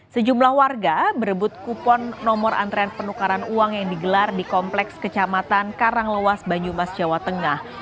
sejumlah warga berebut kupon nomor antrean penukaran uang yang digelar di kompleks kecamatan karanglewas banyumas jawa tengah